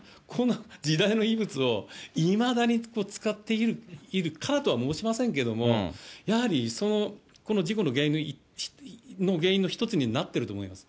もう、こんな、時代の遺物をいまだに使っているからとは申しませんけれども、やはりこの事故の原因の一つになっていると思います。